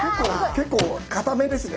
結構硬めですね